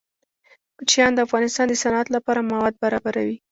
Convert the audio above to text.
کوچیان د افغانستان د صنعت لپاره مواد برابروي.